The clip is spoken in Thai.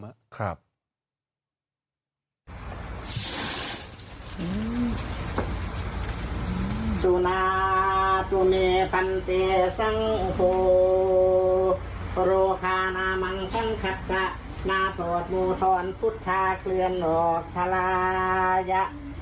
พุทธาเกลือหนอกทะลายะจุนฮาฮายะ